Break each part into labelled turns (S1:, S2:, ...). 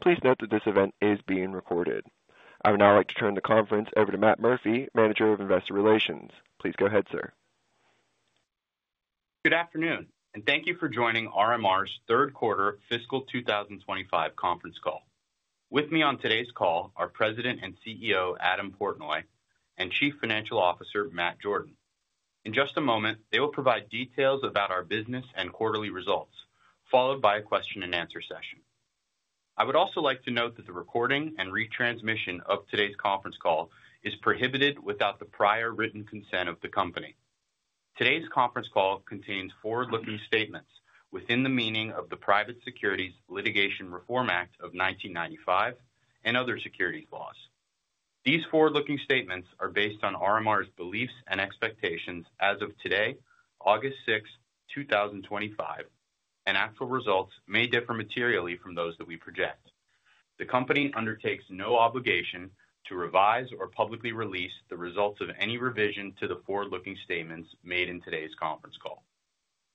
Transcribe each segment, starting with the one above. S1: Please note that this event is being recorded. I would now like to turn the conference over to Matt Murphy, Manager of Investor Relations. Please go ahead, sir.
S2: Good afternoon, and thank you for joining RMR's Third Quarter Fiscal 2025 Conference Call. With me on today's call are President and CEO Adam Portnoy and Chief Financial Officer Matt Jordan. In just a moment, they will provide details about our business and quarterly results, followed by a question and answer session. I would also like to note that the recording and retransmission of today's conference call is prohibited without the prior written consent of the company. Today's conference call contains forward-looking statements within the meaning of the Private Securities Litigation Reform Act of 1995 and other securities laws. These forward-looking statements are based on RMR's beliefs and expectations as of today, August 6, 2025, and actual results may differ materially from those that we project. The company undertakes no obligation to revise or publicly release the results of any revision to the forward-looking statements made in today's conference call.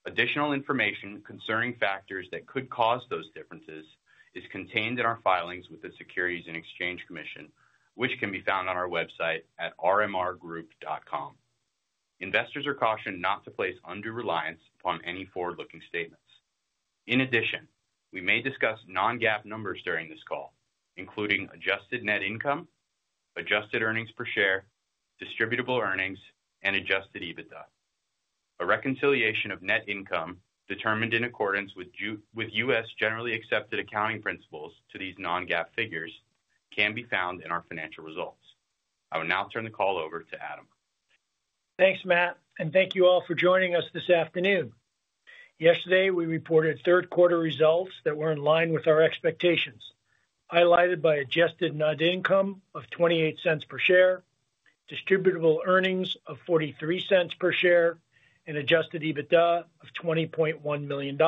S2: Additional information concerning factors that could cause those differences is contained in our filings with the Securities and Exchange Commission, which can be found on our website at rmrgroup.com. Investors are cautioned not to place undue reliance upon any forward-looking statements. In addition, we may discuss non-GAAP numbers during this call, including adjusted net income, adjusted earnings per share, distributable earnings, and adjusted EBITDA. A reconciliation of net income determined in accordance with U.S. generally accepted accounting principles to these non-GAAP figures can be found in our financial results. I will now turn the call over to Adam.
S3: Thanks, Matt, and thank you all for joining us this afternoon. Yesterday, we reported third-quarter results that were in line with our expectations, highlighted by adjusted net income of $0.28 per share, distributable earnings of $0.43 per share, and adjusted EBITDA of $20.1 million.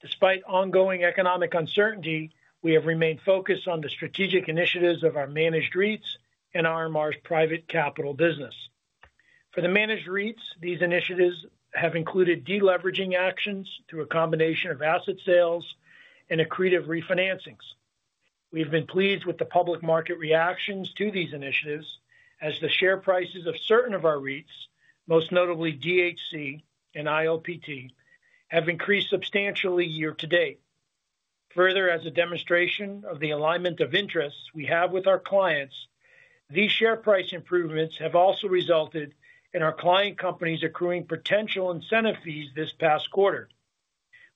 S3: Despite ongoing economic uncertainty, we have remained focused on the strategic initiatives of our managed REITs and RMR's private capital business. For the managed REITs, these initiatives have included deleveraging actions through a combination of asset sales and accretive refinancings. We have been pleased with the public market reactions to these initiatives, as the share prices of certain of our REITs, most notably DHC and ILPT, have increased substantially year to date. Further, as a demonstration of the alignment of interests we have with our clients, these share price improvements have also resulted in our client companies accruing potential incentive fees this past quarter,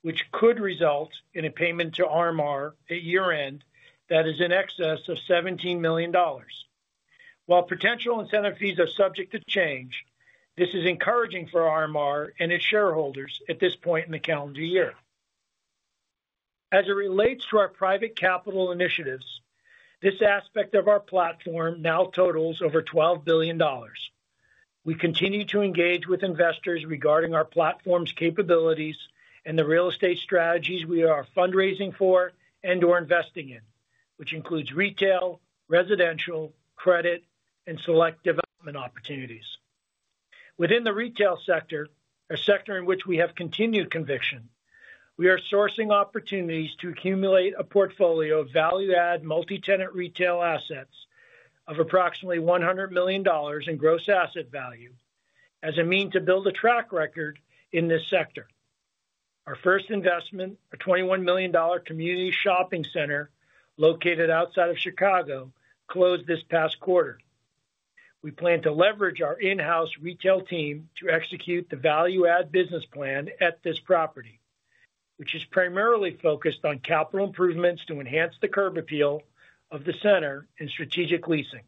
S3: which could result in a payment to RMR at year-end that is in excess of $17 million. While potential incentive fees are subject to change, this is encouraging for RMR and its shareholders at this point in the calendar year. As it relates to our private capital initiatives, this aspect of our platform now totals over $12 billion. We continue to engage with investors regarding our platform's capabilities and the real estate strategies we are fundraising for and/or investing in, which includes retail, residential, credit, and select development opportunities. Within the retail sector, a sector in which we have continued conviction, we are sourcing opportunities to accumulate a portfolio of value-added multi-tenant retail assets of approximately $100 million in gross asset value as a means to build a track record in this sector. Our first investment, a $21 million community shopping center located outside of Chicago, closed this past quarter. We plan to leverage our in-house retail team to execute the value-added business plan at this property, which is primarily focused on capital improvements to enhance the curb appeal of the center and strategic leasing.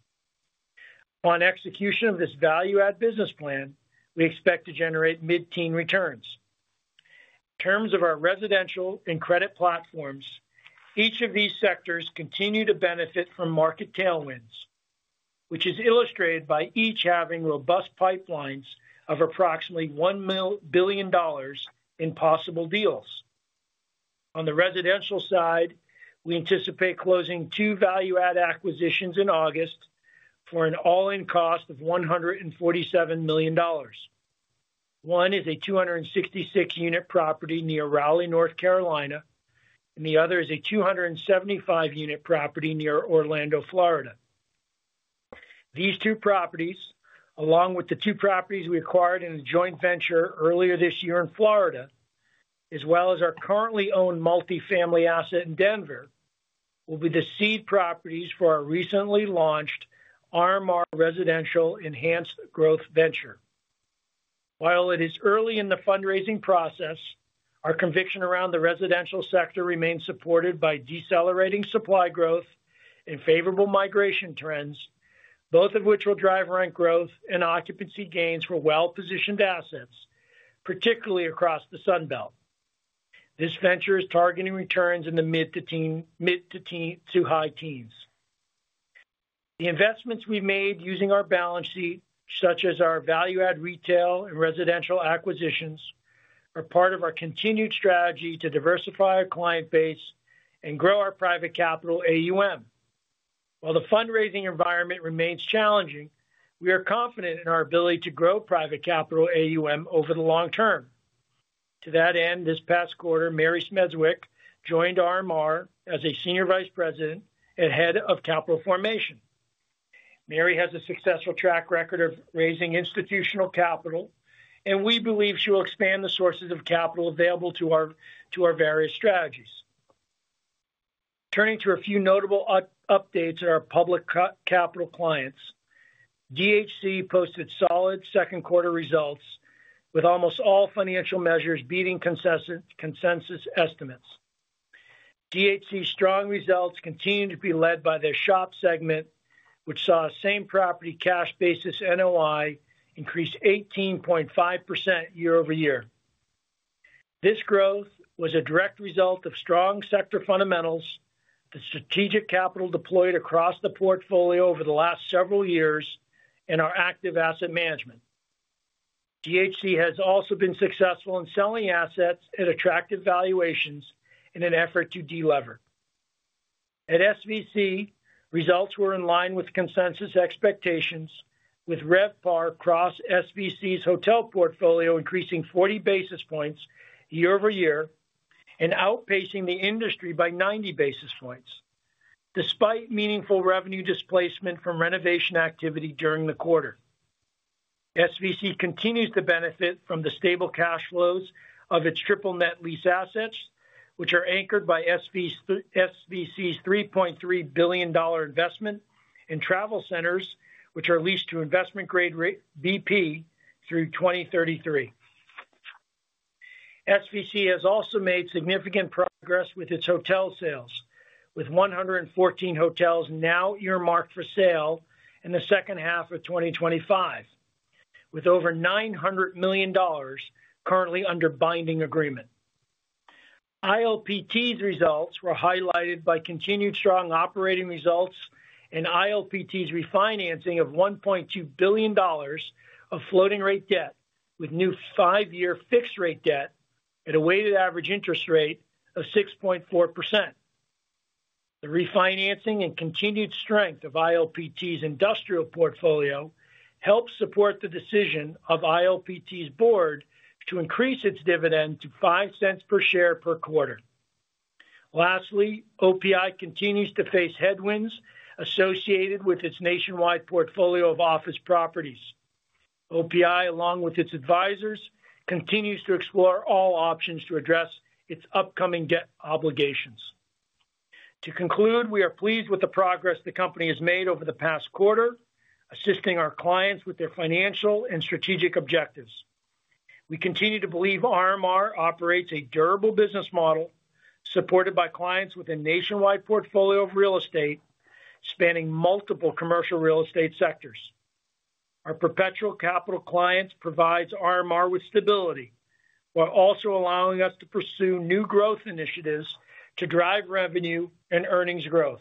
S3: Upon execution of this value-added business plan, we expect to generate mid-teens returns. In terms of our residential and credit platforms, each of these sectors continues to benefit from market tailwinds, which is illustrated by each having robust pipelines of approximately $1 billion in possible deals. On the residential side, we anticipate closing two value-added acquisitions in August for an all-in cost of $147 million. One is a 266-unit property near Raleigh, North Carolina, and the other is a 275-unit property near Orlando, Florida. These two properties, along with the two properties we acquired in a joint venture earlier this year in Florida, as well as our currently owned multifamily asset in Denver, will be the seed properties for our recently launched RMR Residential Enhanced Growth Venture. While it is early in the fundraising process, our conviction around the residential sector remains supported by decelerating supply growth and favorable migration trends, both of which will drive rent growth and occupancy gains for well-positioned assets, particularly across the Sunbelt. This venture is targeting returns in the mid to high teens. The investments we've made using our balance sheet, such as our value-added retail and residential acquisitions, are part of our continued strategy to diversify our client base and grow our private capital AUM. While the fundraising environment remains challenging, we are confident in our ability to grow private capital AUM over the long term. To that end, this past quarter, Mary Smendzuik joined RMR as a Senior Vice President and Head of Capital Formation. Mary has a successful track record of raising institutional capital, and we believe she will expand the sources of capital available to our various strategies. Turning to a few notable updates in our public capital clients, DHC posted solid second-quarter results with almost all financial measures beating consensus estimates. DHC's strong results continue to be led by their shop segment, which saw the same property cash basis NOI increase 18.5% year-over-year. This growth was a direct result of strong sector fundamentals, the strategic capital deployed across the portfolio over the last several years, and our active asset management. DHC has also been successful in selling assets at attractive valuations in an effort to delever. At SVC, results were in line with consensus expectations, with RevPAR across SVC's hotel portfolio increasing 40 basis points year-over-year and outpacing the industry by 90 basis points, despite meaningful revenue displacement from renovation activity during the quarter. SVC continues to benefit from the stable cash flows of its triple net lease assets, which are anchored by SVC's $3.3 billion investment, and travel centers, which are leased to investment grade BP through 2033. SVC has also made significant progress with its hotel sales, with 114 hotels now earmarked for sale in the second half of 2025, with over $900 million currently under binding agreement. ILPT's results were highlighted by continued strong operating results and ILPT's refinancing of $1.2 billion of floating rate debt, with new five-year fixed rate debt at a weighted average interest rate of 6.4%. The refinancing and continued strength of ILPT's industrial portfolio helped support the decision of ILPT's board to increase its dividend to $0.05 per share per quarter. Lastly, OPI continues to face headwinds associated with its nationwide portfolio of office properties. OPI, along with its advisors, continues to explore all options to address its upcoming debt obligations. To conclude, we are pleased with the progress the company has made over the past quarter, assisting our clients with their financial and strategic objectives. We continue to believe RMR operates a durable business model supported by clients with a nationwide portfolio of real estate spanning multiple commercial real estate sectors. Our perpetual capital clients provide RMR with stability while also allowing us to pursue new growth initiatives to drive revenue and earnings growth.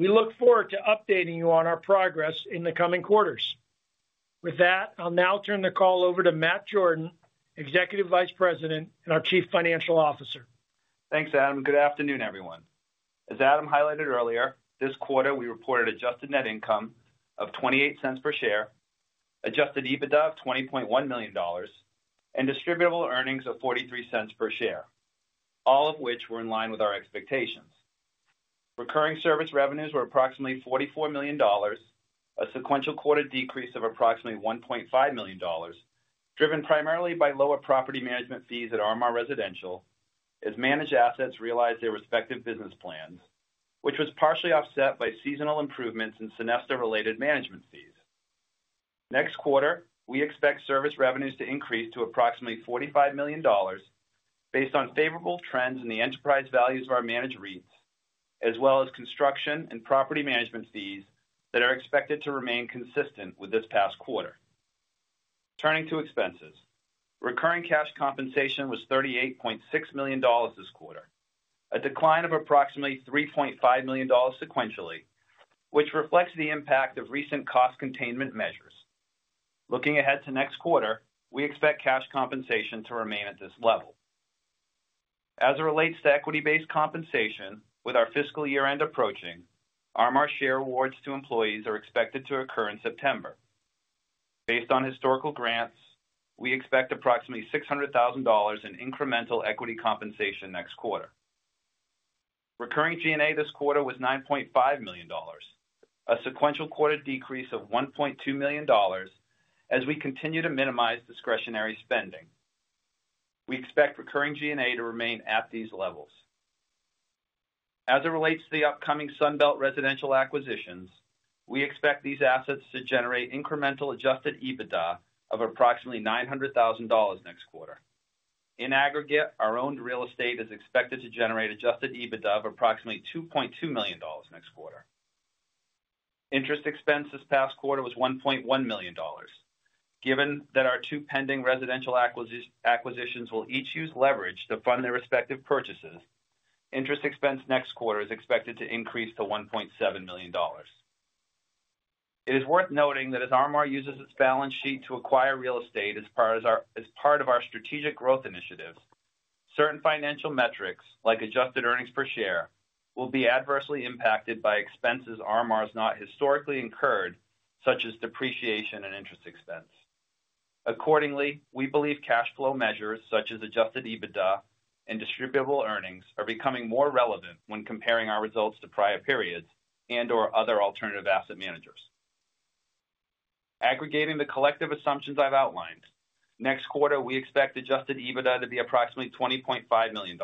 S3: We look forward to updating you on our progress in the coming quarters. With that, I'll now turn the call over to Matt Jordan, Executive Vice President, and our Chief Financial Officer.
S4: Thanks, Adam, and good afternoon, everyone. As Adam highlighted earlier, this quarter we reported adjusted net income of $0.28 per share, adjusted EBITDA of $20.1 million, and distributable earnings of $0.43 per share, all of which were in line with our expectations. Recurring service revenues were approximately $44 million, a sequential quarter decrease of approximately $1.5 million, driven primarily by lower property management fees at RMR Residential as managed assets realized their respective business plans, which was partially offset by seasonal improvements in Sonesta-related management fees. Next quarter, we expect service revenues to increase to approximately $45 million based on favorable trends in the enterprise values of our managed REITs, as well as construction and property management fees that are expected to remain consistent with this past quarter. Turning to expenses, recurring cash compensation was $38.6 million this quarter, a decline of approximately $3.5 million sequentially, which reflects the impact of recent cost containment measures. Looking ahead to next quarter, we expect cash compensation to remain at this level. As it relates to equity-based compensation, with our fiscal year-end approaching, RMR share awards to employees are expected to occur in September. Based on historical grants, we expect approximately $600,000 in incremental equity compensation next quarter. Recurring G&A this quarter was $9.5 million, a sequential quarter decrease of $1.2 million as we continue to minimize discretionary spending. We expect recurring G&A to remain at these levels. As it relates to the upcoming Sunbelt residential acquisitions, we expect these assets to generate incremental adjusted EBITDA of approximately $900,000 next quarter. In aggregate, our owned real estate is expected to generate adjusted EBITDA of approximately $2.2 million next quarter. Interest expense this past quarter was $1.1 million. Given that our two pending residential acquisitions will each use leverage to fund their respective purchases, interest expense next quarter is expected to increase to $1.7 million. It is worth noting that as RMR uses its balance sheet to acquire real estate as part of our strategic growth initiatives, certain financial metrics, like adjusted earnings per share, will be adversely impacted by expenses RMR has not historically incurred, such as depreciation and interest expense. Accordingly, we believe cash flow measures such as adjusted EBITDA and distributable earnings are becoming more relevant when comparing our results to prior periods and/or other alternative asset managers. Aggregating the collective assumptions I've outlined, next quarter we expect adjusted EBITDA to be approximately $20.5 million,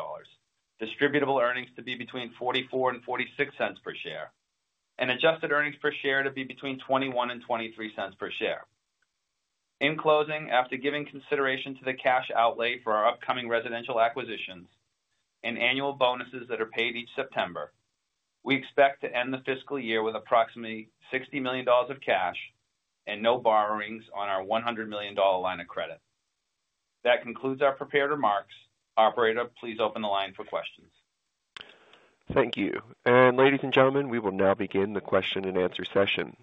S4: distributable earnings to be between $0.44 and $0.46 per share, and adjusted earnings per share to be between $0.21 and $0.23 per share. In closing, after giving consideration to the cash outlay for our upcoming residential acquisitions and annual bonuses that are paid each September, we expect to end the fiscal year with approximately $60 million of cash and no borrowings on our $100 million line of credit. That concludes our prepared remarks. Operator, please open the line for questions.
S1: Thank you. Ladies and gentlemen, we will now begin the question and answer session.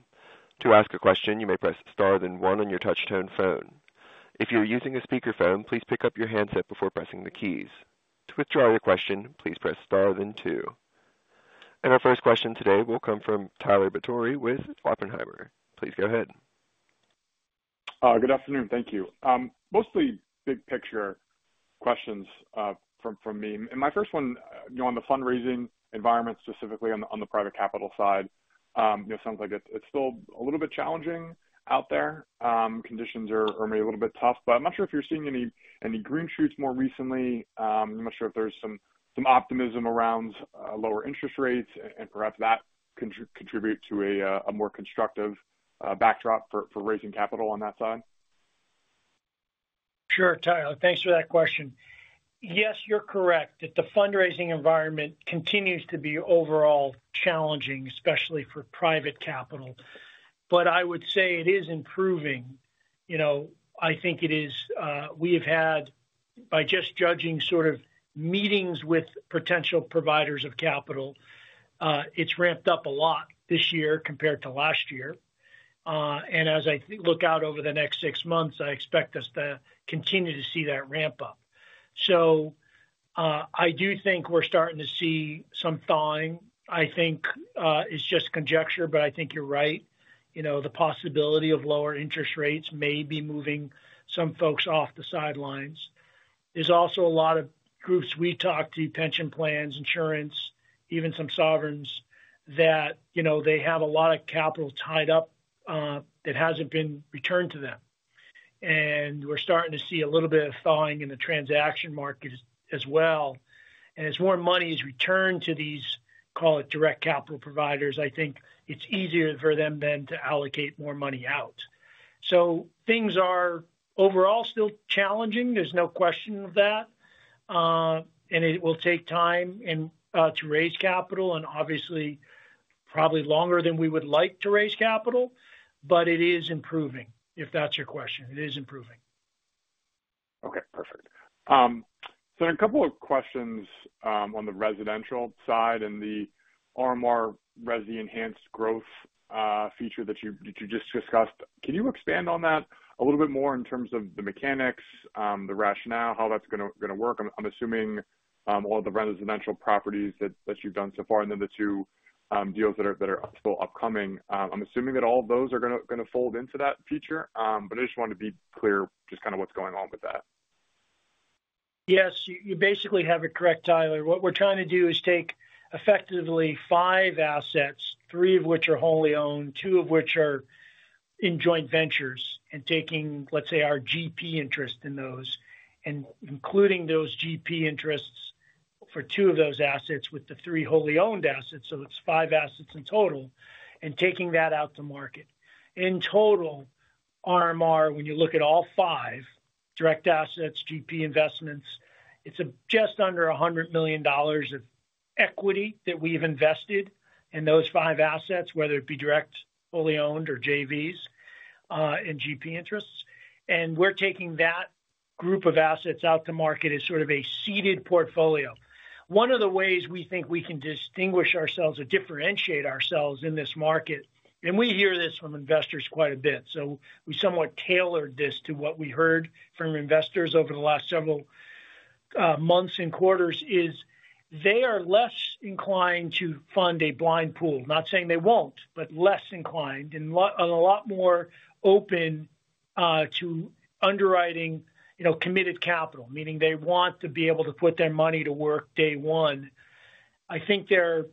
S1: To ask a question, you may press star then one on your touch-tone phone. If you're using a speakerphone, please pick up your handset before pressing the keys. To withdraw your question, please press star then two. Our first question today will come from Tyler Batory with Oppenheimer. Please go ahead.
S5: Good afternoon. Thank you. Mostly big-picture questions from me. My first one, on the fundraising environment specifically on the private capital side, sounds like it's still a little bit challenging out there. Conditions are maybe a little bit tough, but I'm not sure if you're seeing any green shoots more recently. I'm not sure if there's some optimism around lower interest rates and perhaps that could contribute to a more constructive backdrop for raising capital on that side.
S3: Sure, Tyler, thanks for that question. Yes, you're correct that the fundraising environment continues to be overall challenging, especially for private capital. I would say it is improving. I think it is, we have had, by just judging sort of meetings with potential providers of capital, it's ramped up a lot this year compared to last year. As I look out over the next six months, I expect us to continue to see that ramp up. I do think we're starting to see some thawing. I think it's just conjecture, but I think you're right. The possibility of lower interest rates may be moving some folks off the sidelines. There's also a lot of groups we talk to, pension plans, insurance, even some sovereigns, that have a lot of capital tied up that hasn't been returned to them. We're starting to see a little bit of thawing in the transaction market as well. As more money is returned to these, call it direct capital providers, I think it's easier for them then to allocate more money out. Things are overall still challenging. There's no question of that. It will take time to raise capital and obviously probably longer than we would like to raise capital, but it is improving, if that's your question. It is improving.
S5: Okay, perfect. There are a couple of questions on the residential side and the RMR Residential Enhanced Growth Venture that you just discussed. Can you expand on that a little bit more in terms of the mechanics, the rationale, how that's going to work? I'm assuming all of the residential properties that you've done so far and then the two deals that are still upcoming, I'm assuming that all of those are going to fold into that venture, but I just wanted to be clear just kind of what's going on with that.
S3: Yes, you basically have it correct, Tyler. What we're trying to do is take effectively five assets, three of which are wholly owned, two of which are in joint ventures, and taking, let's say, our GP interest in those, and including those GP interests for two of those assets with the three wholly owned assets. It is five assets in total, and taking that out to market. In total, RMR, when you look at all five, direct assets, GP investments, it's just under $100 million of equity that we've invested in those five assets, whether it be direct, wholly owned, or JVs and GP interests. We're taking that group of assets out to market as sort of a seeded portfolio. One of the ways we think we can distinguish ourselves or differentiate ourselves in this market, and we hear this from investors quite a bit, so we somewhat tailored this to what we heard from investors over the last several months and quarters, is they are less inclined to fund a blind pool. Not saying they won't, but less inclined and a lot more open to underwriting, you know, committed capital, meaning they want to be able to put their money to work day one. I think there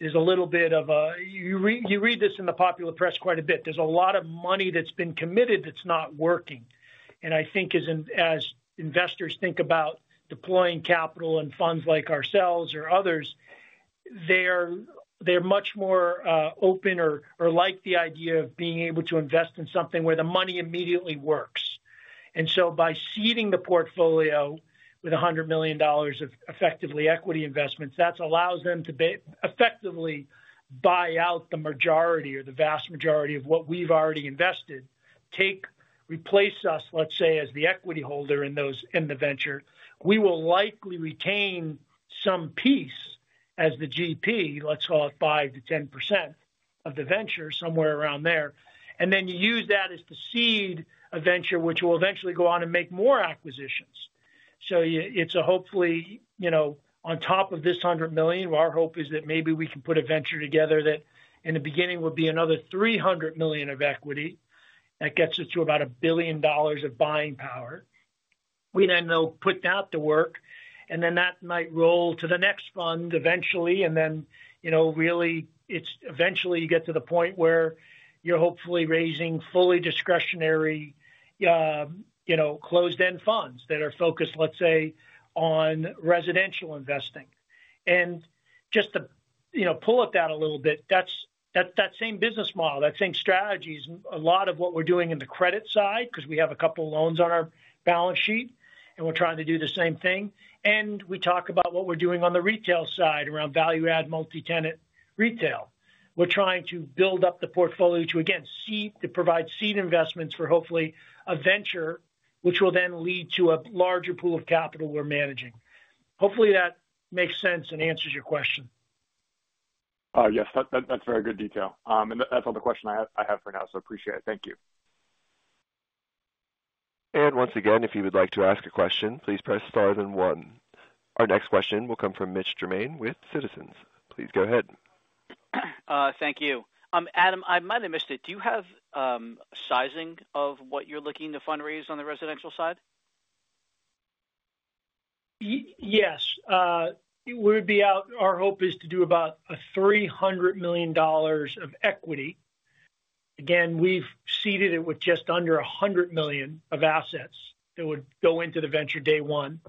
S3: is a little bit of a, you read this in the popular press quite a bit, there's a lot of money that's been committed that's not working. I think as investors think about deploying capital and funds like ourselves or others, they are much more open or like the idea of being able to invest in something where the money immediately works. By seeding the portfolio with $100 million of effectively equity investments, that allows them to effectively buy out the majority or the vast majority of what we've already invested. Take replace us, let's say, as the equity holder in the venture, we will likely retain some piece as the GP, let's call it 5%-10% of the venture, somewhere around there. You use that as the seed of venture, which will eventually go on and make more acquisitions. Hopefully, on top of this $100 million, our hope is that maybe we can put a venture together that in the beginning will be another $300 million of equity that gets us to about $1 billion of buying power. We then will put that to work, and that might roll to the next fund eventually. Really, it's eventually you get to the point where you're hopefully raising fully discretionary, closed-end funds that are focused, let's say, on residential investing. To pull up that a little bit, that same business model, that same strategy is a lot of what we're doing in the credit side because we have a couple of loans on our balance sheet and we're trying to do the same thing. We talk about what we're doing on the retail side around value-added multi-tenant retail. We're trying to build up the portfolio to again provide seed investments for hopefully a venture, which will then lead to a larger pool of capital we're managing. Hopefully, that makes sense and answers your question.
S5: Yes, that's very good detail. That's all the question I have for now, so I appreciate it. Thank you.
S1: If you would like to ask a question, please press star then one. Our next question will come from Mitch Germain with Citizens. Please go ahead.
S6: Thank you. Adam, I might have missed it. Do you have sizing of what you're looking to fundraise on the residential side?
S3: Yes, it would be out. Our hope is to do about $300 million of equity. Again, we've seeded it with just under $100 million of assets that would go into the venture day one.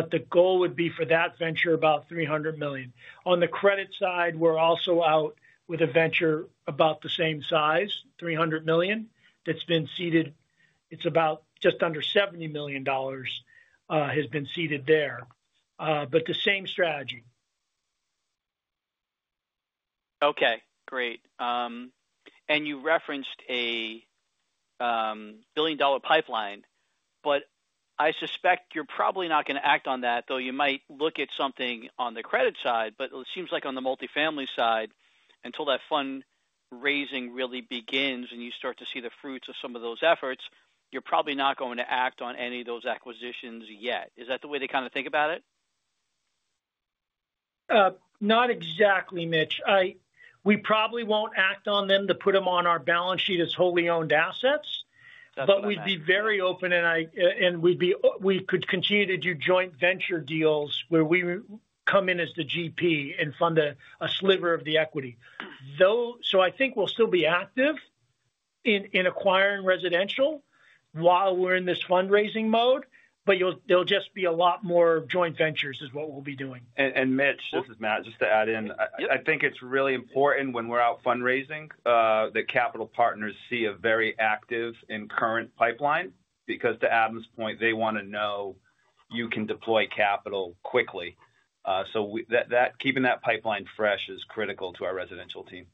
S3: The goal would be for that venture about $300 million. On the credit side, we're also out with a venture about the same size, $300 million, that's been seeded. It's about just under $70 million has been seeded there. The same strategy.
S6: Okay, great. You referenced a $1 billion pipeline, but I suspect you're probably not going to act on that, though you might look at something on the credit side. It seems like on the multifamily side, until that fundraising really begins and you start to see the fruits of some of those efforts, you're probably not going to act on any of those acquisitions yet. Is that the way to kind of think about it?
S3: Not exactly, Mitch. We probably won't act on them to put them on our balance sheet as wholly owned assets.
S6: That's fine.
S3: We'd be very open, and we could continue to do joint venture deals where we come in as the GP and fund a sliver of the equity. I think we'll still be active in acquiring residential while we're in this fundraising mode, but there'll just be a lot more joint ventures is what we'll be doing.
S4: Mitch, this is Matt, just to add in, I think it's really important when we're out fundraising, the capital partners see a very active and current pipeline. To Adam's point, they want to know you can deploy capital quickly. Keeping that pipeline fresh is critical to our residential team.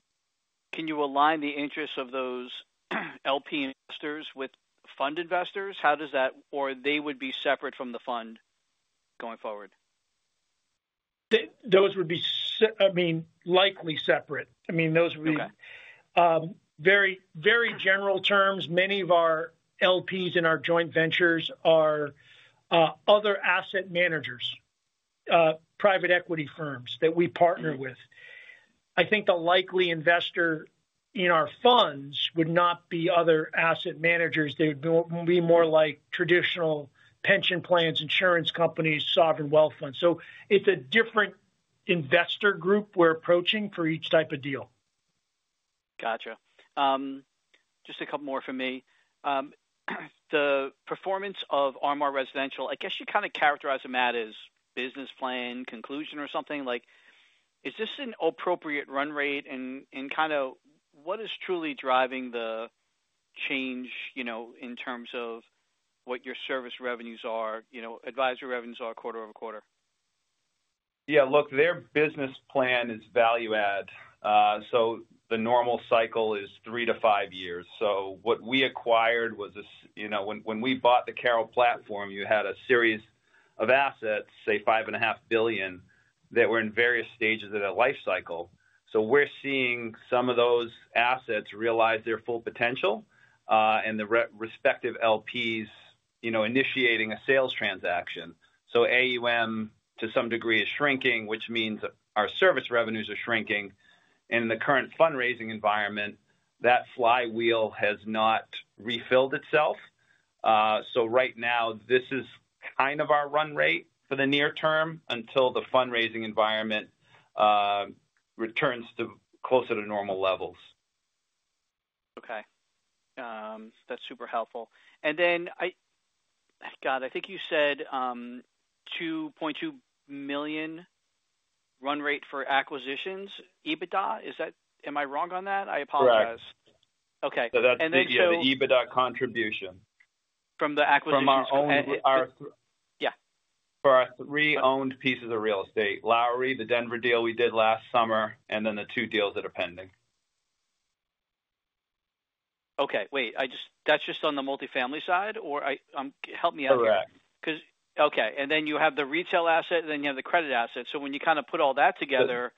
S6: Can you align the interests of those LP investors with fund investors? How does that, or they would be separate from the fund going forward?
S3: Those would be, I mean, likely separate. Those would be very, very general terms. Many of our LPs in our joint ventures are other asset managers, private equity firms that we partner with. I think the likely investor in our funds would not be other asset managers. They would be more like traditional pension plans, insurance companies, sovereign wealth funds. It is a different investor group we're approaching for each type of deal.
S6: Gotcha. Just a couple more from me. The performance of RMR Residential, I guess you kind of characterize it, Matt, as business plan conclusion or something? Is this an appropriate run rate? What is truly driving the change in terms of what your service revenues are, your advisory revenues are quarter over quarter?
S4: Yeah, look, their business plan is value-add. The normal cycle is three to five years. What we acquired was this, you know, when we bought the CARROLL platform, you had a series of assets, say $5.5 billion, that were in various stages of their life cycle. We're seeing some of those assets realize their full potential and the respective LPs, you know, initiating a sales transaction. AUM to some degree is shrinking, which means our service revenues are shrinking. In the current fundraising environment, that flywheel has not refilled itself. Right now, this is kind of our run rate for the near term until the fundraising environment returns to closer to normal levels.
S6: Okay. That's super helpful. I think you said $2.2 million run rate for acquisitions, EBITDA. Am I wrong on that? I apologize.
S4: Yes.
S6: Okay.
S4: That's from the EBITDA contribution.
S6: From the acquisition.
S4: From our owned.
S6: Yeah.
S4: For our three owned pieces of real estate, Lowery, the Denver deal we did last summer, and the two deals that are pending.
S6: Okay. Wait, that's just on the multifamily side, or help me out.
S4: Correct.
S6: Okay, and then you have the retail asset, and then you have the credit asset. When you kind of put all that together.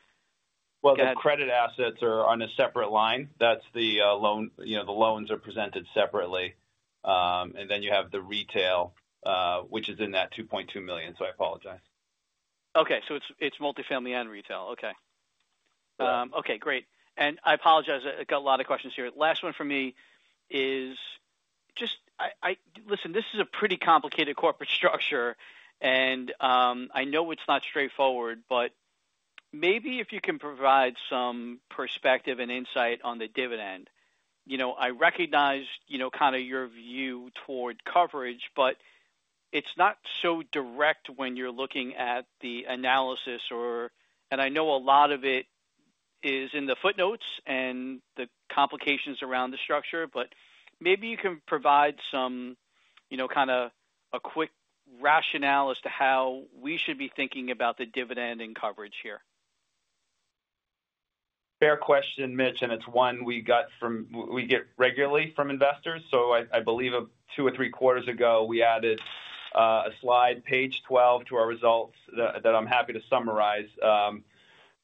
S4: The credit assets are on a separate line. That's the loan, you know, the loans are presented separately. You have the retail, which is in that $2.2 million. I apologize.
S6: Okay. It's multifamily and retail. Okay, great. I apologize, I got a lot of questions here. Last one for me is just, I listen, this is a pretty complicated corporate structure. I know it's not straightforward, but maybe if you can provide some perspective and insight on the dividend. I recognize, you know, kind of your view toward coverage, but it's not so direct when you're looking at the analysis, and I know a lot of it is in the footnotes and the complications around the structure, but maybe you can provide some, you know, kind of a quick rationale as to how we should be thinking about the dividend and coverage here.
S4: Fair question, Mitch, and it's one we get regularly from investors. I believe two or three quarters ago, we added a slide, page 12, to our results that I'm happy to summarize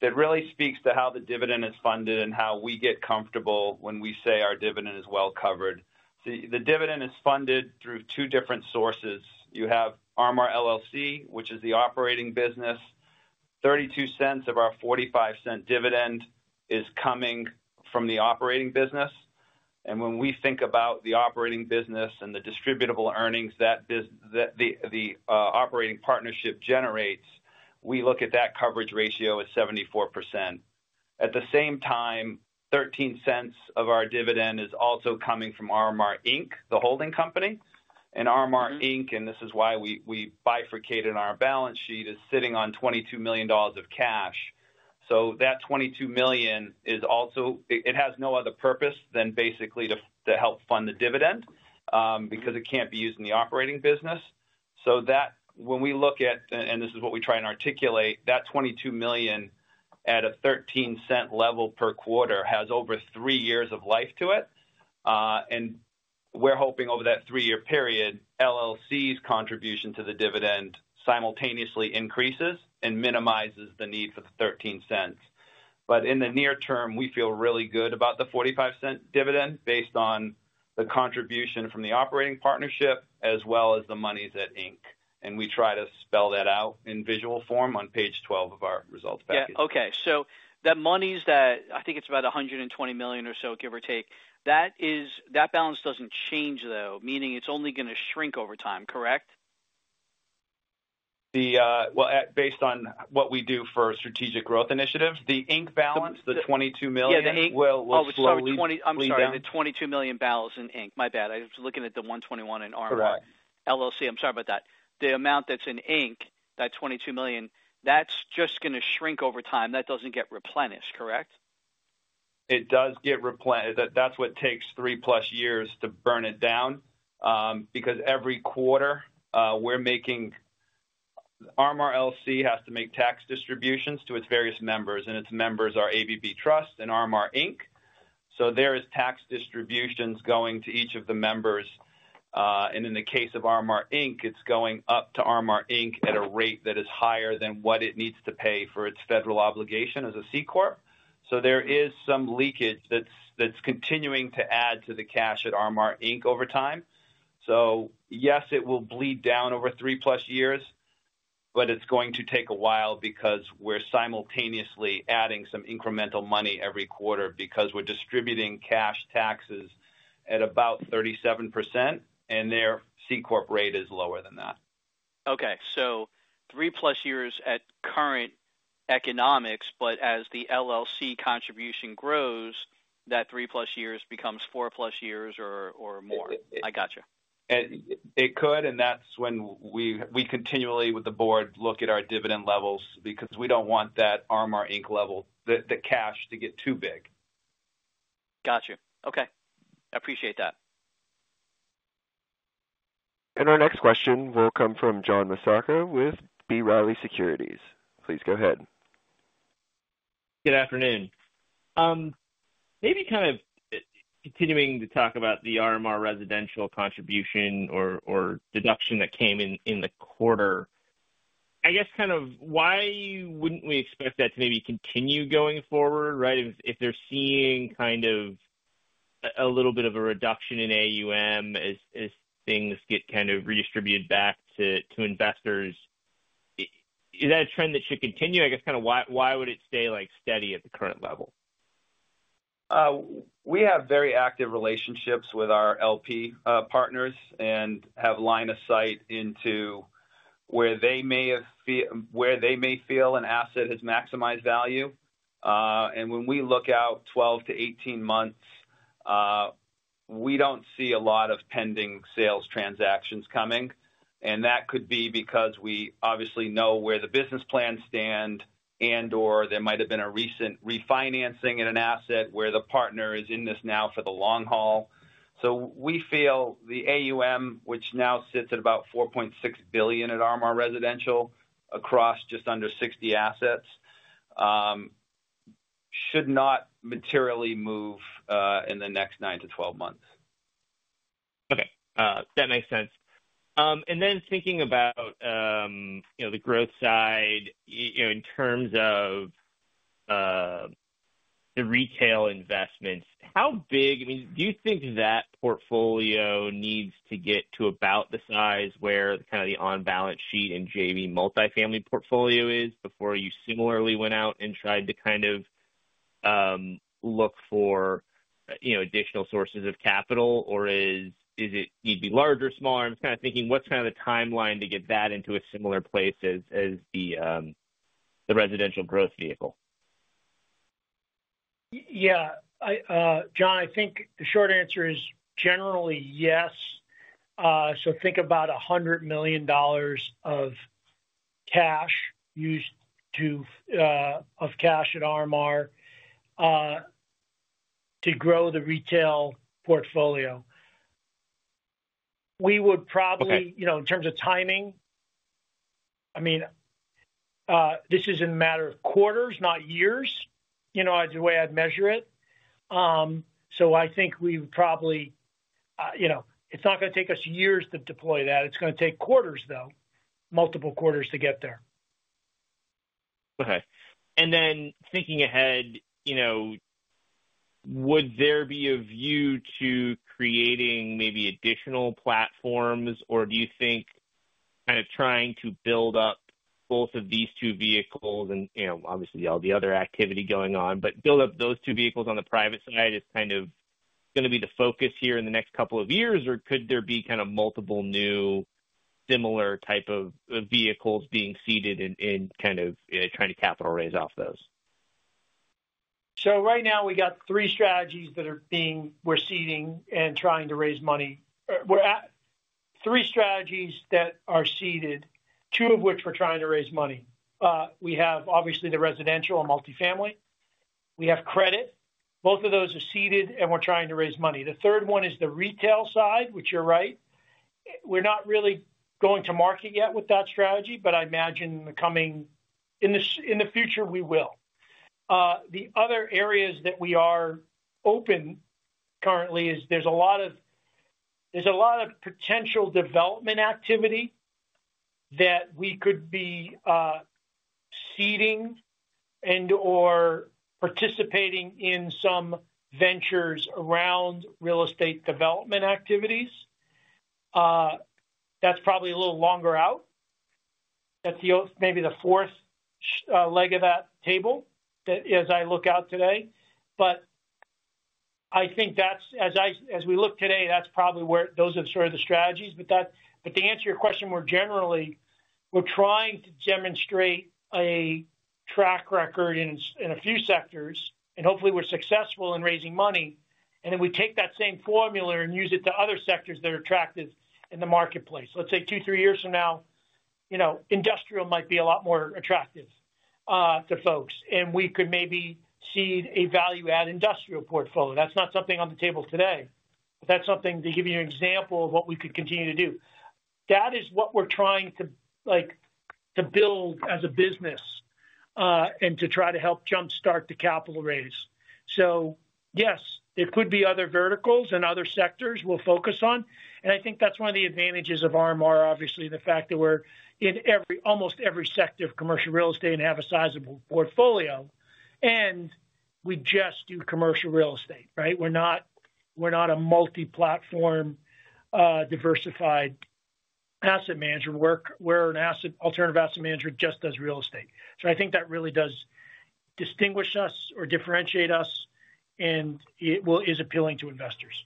S4: that really speaks to how the dividend is funded and how we get comfortable when we say our dividend is well covered. The dividend is funded through two different sources. You have RMR LLC, which is the operating business. $0.32 of our $0.45 dividend is coming from the operating business. When we think about the operating business and the distributable earnings that the operating partnership generates, we look at that coverage ratio at 74%. At the same time, $0.13 of our dividend is also coming from RMR Inc., the holding company. RMR Inc., and this is why we bifurcated our balance sheet, is sitting on $22 million of cash. That $22 million is also, it has no other purpose than basically to help fund the dividend because it can't be used in the operating business. When we look at, and this is what we try and articulate, that $22 million at a $0.13 level per quarter has over three years of life to it. We're hoping over that three-year period, LLC's contribution to the dividend simultaneously increases and minimizes the need for the $0.13. In the near term, we feel really good about the $0.45 dividend based on the contribution from the operating partnership as well as the monies at Inc. We try to spell that out in visual form on page 12 of our results package.
S6: Yeah, okay. That monies that, I think it's about $120 million or so, give or take, that balance doesn't change though, meaning it's only going to shrink over time, correct?
S4: Based on what we do for strategic growth initiatives, the Inc. balance, the $22 million will slowly.
S6: I'm sorry, the $22 million balance in Inc. My bad, I was looking at the $121 million in RMR LLC. I'm sorry about that. The amount that's in Inc., that $22 million, that's just going to shrink over time. That doesn't get replenished, correct?
S4: It does get replenished. That's what takes three plus years to burn it down because every quarter we're making, RMR LLC has to make tax distributions to its various members, and its members are ABB Trust and RMR Inc. There are tax distributions going to each of the members. In the case of RMR Inc., it's going up to RMR Inc. at a rate that is higher than what it needs to pay for its federal obligation as a C corp. There is some leakage that's continuing to add to the cash at RMR Inc. over time. Yes, it will bleed down over three plus years, but it's going to take a while because we're simultaneously adding some incremental money every quarter because we're distributing cash taxes at about 37%, and their C corp rate is lower than that.
S6: Okay, three plus years at current economics, but as the LLC contribution grows, that three plus years becomes four plus years or more. I gotcha.
S4: It could, and that's when we continually with the Board look at our dividend levels because we don't want that RMR Inc. level, the cash to get too big.
S6: Gotcha. Okay, I appreciate that.
S1: Our next question will come from John Massocca with B. Riley Securities. Please go ahead.
S7: Good afternoon. Maybe continuing to talk about the RMR Residential contribution or deduction that came in the quarter, I guess why wouldn't we expect that to maybe continue going forward, right? If they're seeing a little bit of a reduction in AUM as things get redistributed back to investors, is that a trend that should continue? I guess why would it stay steady at the current level?
S4: We have very active relationships with our LP partners and have line of sight into where they may feel an asset has maximized value. When we look out 12 to 18 months, we don't see a lot of pending sales transactions coming. That could be because we obviously know where the business plans stand and/or there might have been a recent refinancing in an asset where the partner is in this now for the long haul. We feel the AUM, which now sits at about $4.6 billion at RMR Residential across just under 60 assets, should not materially move in the next 9 to 12 months.
S7: Okay, that makes sense. Thinking about the growth side, in terms of the retail investments, how big, I mean, do you think that portfolio needs to get to about the size where the kind of the on-balance sheet and JV multifamily portfolio is before you similarly went out and tried to kind of look for additional sources of capital, or does it need to be larger or smaller? I'm just kind of thinking what's kind of the timeline to get that into a similar place as the residential growth vehicle?
S3: Yeah, John, I think the short answer is generally yes. Think about $100 million of cash at RMR to grow the retail portfolio. We would probably, in terms of timing, I mean, this is in a matter of quarters, not years, the way I'd measure it. I think we would probably, it's not going to take us years to deploy that. It's going to take quarters, though, multiple quarters to get there.
S7: Okay. Thinking ahead, would there be a view to creating maybe additional platforms, or do you think trying to build up both of these two vehicles and, obviously, all the other activity going on, but build up those two vehicles on the private side is going to be the focus here in the next couple of years, or could there be multiple new similar types of vehicles being seeded and trying to capital raise off those?
S3: Right now, we got three strategies that are being, we're seeding and trying to raise money. We're at three strategies that are seeded, two of which we're trying to raise money. We have obviously the residential and multifamily. We have credit. Both of those are seeded and we're trying to raise money. The third one is the retail side, which you're right. We're not really going to market yet with that strategy, but I imagine coming in the future, we will. The other areas that we are open currently is there's a lot of potential development activity that we could be seeding and/or participating in some ventures around real estate development activities. That's probably a little longer out. That's maybe the fourth leg of that table as I look out today. I think as we look today, that's probably where those are sort of the strategies. To answer your question more generally, we're trying to demonstrate a track record in a few sectors, and hopefully we're successful in raising money. Then we take that same formula and use it to other sectors that are attractive in the marketplace. Let's say two, three years from now, you know, industrial might be a lot more attractive to folks, and we could maybe seed a value-added industrial portfolio. That's not something on the table today, but that's something to give you an example of what we could continue to do. That is what we're trying to like to build as a business and to try to help jumpstart the capital raise. Yes, it could be other verticals and other sectors we'll focus on. I think that's one of the advantages of RMR, obviously the fact that we're in almost every sector of commercial real estate and have a sizable portfolio. We just do commercial real estate, right? We're not a multi-platform diversified asset manager. We're an alternative asset manager that just does real estate. I think that really does distinguish us or differentiate us, and it is appealing to investors.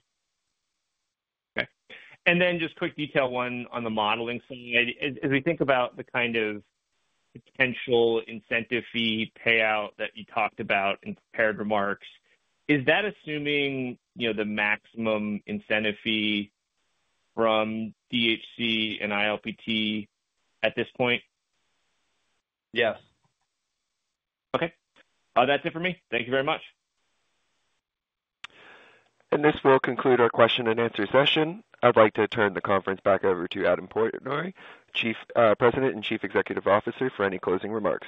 S7: Okay. Just quick detail on the modeling side. As we think about the kind of potential incentive fee payout that you talked about in prepared remarks, is that assuming, you know, the maximum incentive fee from DHC and ILPT at this point?
S4: Yes.
S7: Okay, that's it for me. Thank you very much.
S1: This will conclude our question and answer session. I'd like to turn the conference back over to Adam Portnoy, President and Chief Executive Officer, for any closing remarks.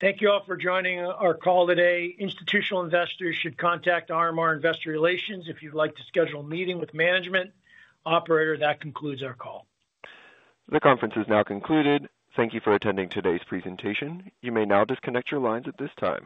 S3: Thank you all for joining our call today. Institutional investors should contact RMR Investor Relations if you'd like to schedule a meeting with management. Operator, that concludes our call.
S1: The conference is now concluded. Thank you for attending today's presentation. You may now disconnect your lines at this time.